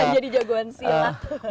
jadi jagoan silat